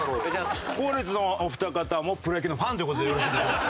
後列のお二方もプロ野球のファンという事でよろしいでしょうか？